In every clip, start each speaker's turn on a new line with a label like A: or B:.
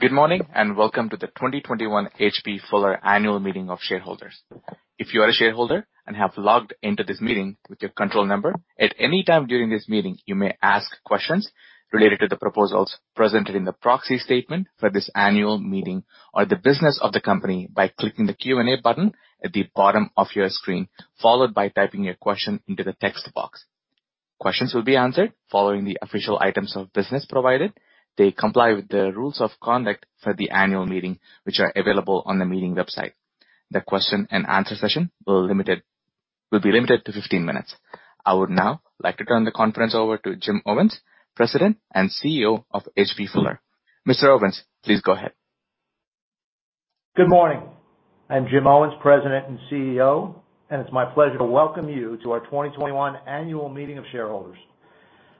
A: Good morning, and welcome to the 2021 H.B. Fuller annual meeting of shareholders. If you are a shareholder and have logged into this meeting with your control number, at any time during this meeting, you may ask questions related to the proposals presented in the proxy statement for this annual meeting or the business of the company by clicking the Q&A button at the bottom of your screen, followed by typing your question into the text box. Questions will be answered following the official items of business, provided they comply with the rules of conduct for the annual meeting, which are available on the meeting website. The question and answer session will be limited to 15 minutes. I would now like to turn the conference over to Jim Owens, President and CEO of H.B. Fuller. Mr. Owens, please go ahead.
B: Good morning. I'm Jim Owens, President and CEO, and it's my pleasure to welcome you to our 2021 annual meeting of shareholders.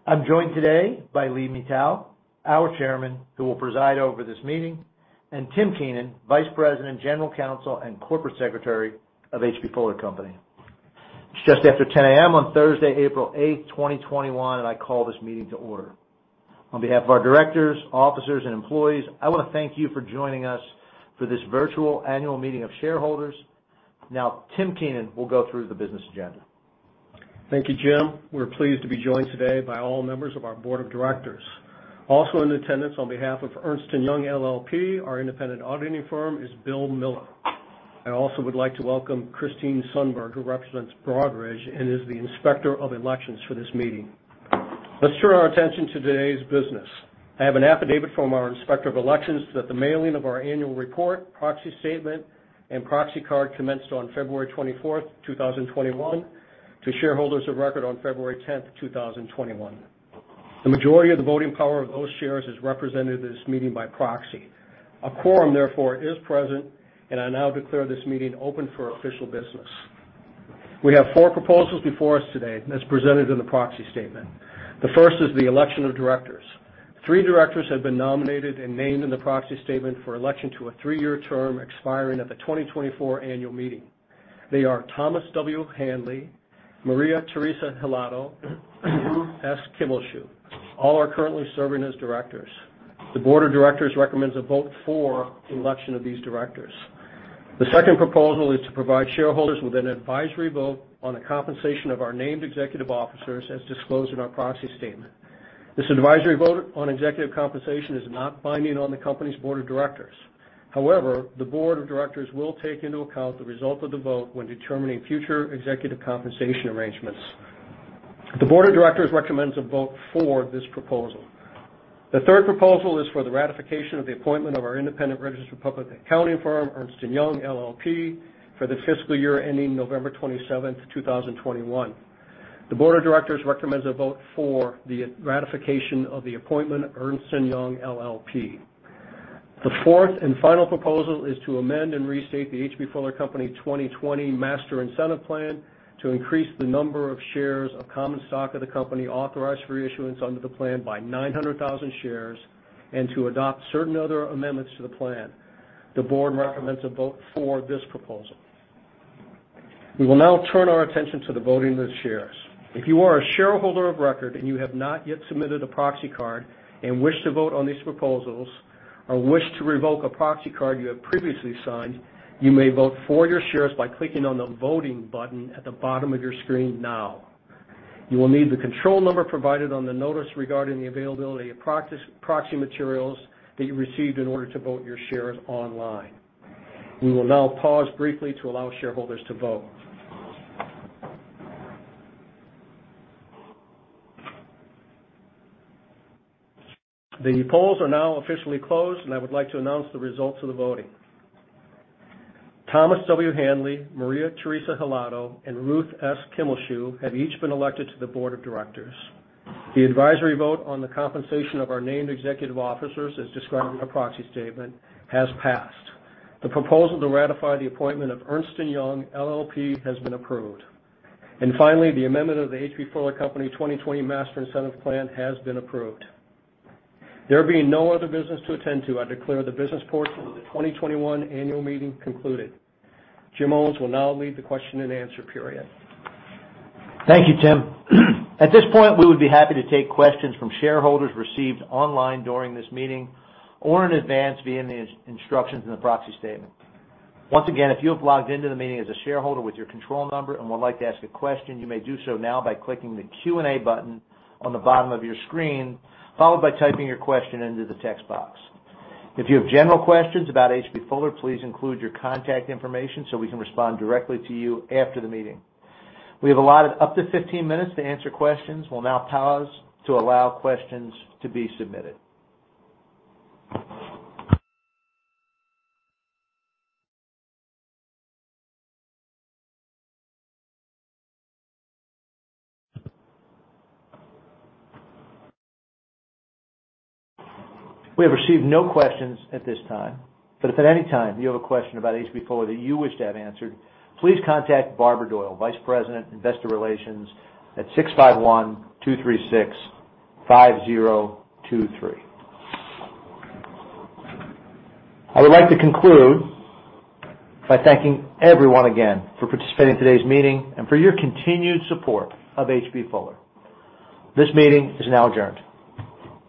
B: I'm joined today by Lee Mitau, our Chairman, who will preside over this meeting, and Tim Keenan, Vice President, General Counsel, and Corporate Secretary of H.B. Fuller Company. It's just after 10:00 A.M. on Thursday, April 8th, 2021, and I call this meeting to order. On behalf of our directors, officers, and employees, I want to thank you for joining us for this virtual annual meeting of shareholders. Now, Tim Keenan will go through the business agenda.
C: Thank you, Jim. We're pleased to be joined today by all members of our board of directors. Also in attendance on behalf of Ernst & Young LLP, our independent auditing firm, is Bill Miller. I also would like to welcome Christine Sundberg, who represents Broadridge and is the Inspector of Elections for this meeting. Let's turn our attention to today's business. I have an affidavit from our Inspector of Elections that the mailing of our annual report, proxy statement, and proxy card commenced on February 24th, 2021 to shareholders of record on February 10th, 2021. The majority of the voting power of those shares is represented at this meeting by proxy. A quorum, therefore, is present, and I now declare this meeting open for official business. We have four proposals before us today, as presented in the proxy statement. The first is the election of directors. Three directors have been nominated and named in the proxy statement for election to a three-year term expiring at the 2024 annual meeting. They are Thomas W. Handley, Maria Teresa Hilado, Ruth S. Kimmelshue. All are currently serving as directors. The board of directors recommends a vote for the election of these directors. The second proposal is to provide shareholders with an advisory vote on the compensation of our named executive officers as disclosed in our proxy statement. This advisory vote on executive compensation is not binding on the company's board of directors. The board of directors will take into account the result of the vote when determining future executive compensation arrangements. The board of directors recommends a vote for this proposal. The third proposal is for the ratification of the appointment of our independent registered public accounting firm, Ernst & Young LLP, for the fiscal year ending November 27th, 2021. The board of directors recommends a vote for the ratification of the appointment of Ernst & Young LLP. The fourth and final proposal is to amend and restate the H.B. Fuller Company 2020 Master Incentive Plan to increase the number of shares of common stock of the company authorized for issuance under the plan by 900,000 shares and to adopt certain other amendments to the plan. The board recommends a vote for this proposal. We will now turn our attention to the voting of the shares. If you are a shareholder of record and you have not yet submitted a proxy card and wish to vote on these proposals or wish to revoke a proxy card you have previously signed, you may vote for your shares by clicking on the Voting button at the bottom of your screen now. You will need the control number provided on the notice regarding the availability of proxy materials that you received in order to vote your shares online. We will now pause briefly to allow shareholders to vote. The polls are now officially closed, and I would like to announce the results of the voting. Thomas W. Handley, Maria Teresa Hilado, and Ruth S. Kimmelshue have each been elected to the Board of Directors. The advisory vote on the compensation of our named executive officers, as described in the proxy statement, has passed. The proposal to ratify the appointment of Ernst & Young LLP has been approved. Finally, the amendment of the H.B. Fuller Company 2020 Master Incentive Plan has been approved. There being no other business to attend to, I declare the business portion of the 2021 annual meeting concluded. Jim Owens will now lead the question and answer period.
B: Thank you, Tim. At this point, we would be happy to take questions from shareholders received online during this meeting or in advance via the instructions in the proxy statement. Once again, if you have logged into the meeting as a shareholder with your control number and would like to ask a question, you may do so now by clicking the Q&A button on the bottom of your screen, followed by typing your question into the text box. If you have general questions about H.B. Fuller, please include your contact information so we can respond directly to you after the meeting. We have allotted up to 15 minutes to answer questions. We'll now pause to allow questions to be submitted. We have received no questions at this time. But if at any time you have a question about H.B. Fuller that you wish to have answered, please contact Barbara Doyle, Vice President, Investor Relations, at 651-236-5023. I would like to conclude by thanking everyone again for participating in today's meeting and for your continued support of H.B. Fuller. This meeting is now adjourned.